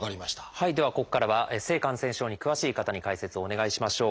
ではここからは性感染症に詳しい方に解説をお願いしましょう。